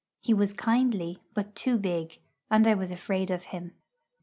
He was kindly, but too big, and I was afraid of him.